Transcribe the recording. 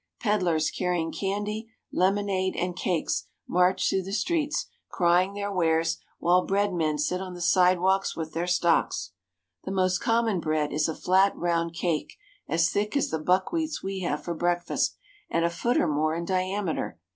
Pedlars carrying candy, lem onade, and cakes march through the streets crying their wares while bread men sit on the sidewalks with their stocks. The most common bread is a flat, round cake as thick as the buckwheats we have for breakfast, and a foot or more in diameter.